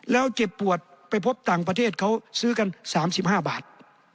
แล้วเจ็บปวดไปพบต่างประเทศเขาซื้อกัน๓๕บาท